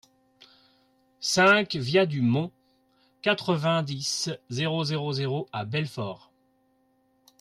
cinq via du Mont, quatre-vingt-dix, zéro zéro zéro à Belfort